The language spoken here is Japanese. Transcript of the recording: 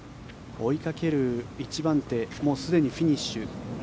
追いかける一番手すでにフィニッシュ。